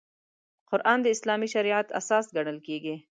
قران د اسلامي شریعت اساس ګڼل کېږي.